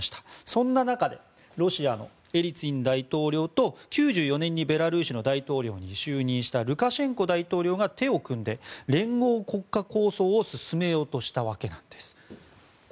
そんな中でロシアのエリツィン大統領と９４年にベラルーシの大統領に就任したルカシェンコ大統領が手を組んで連合国家構想を進めようとしたわけなんです。